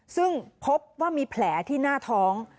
ซึ่งพบว่ามีแผลที่หน้าท้อง